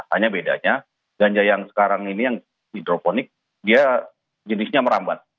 hanya bedanya ganja yang sekarang ini yang hidroponik dia jenisnya merambat